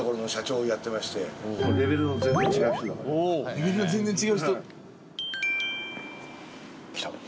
レベルが全然違う人？